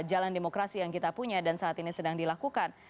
jalan demokrasi yang kita punya dan saat ini sedang dilakukan